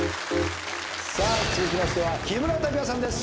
続きましては木村拓哉さんです。